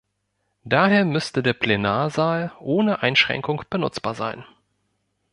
Daher müsste der Plenarsaal ohne Einschränkung benutzbar sein.